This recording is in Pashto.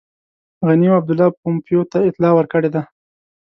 غني او عبدالله پومپیو ته اطلاع ورکړې ده.